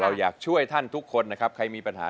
อยากช่วยท่านทุกคนนะครับใครมีปัญหา